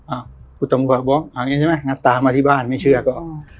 อ้าวคุณตำรวจบอกเอาอย่างนี้ใช่ไหมงัดตามาที่บ้านไม่เชื่อก็